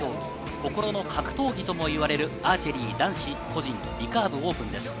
心の格闘技ともいわれるアーチェリー、男子個人リカーブオープンです。